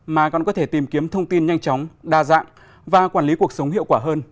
mà còn có thể tìm kiếm thông tin nhanh chóng đa dạng và quản lý cuộc sống hiệu quả hơn